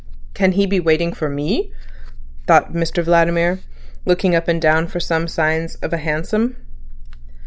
"Can he be waiting for me," thought Mr Vladimir, looking up and down for some signs of a hansom.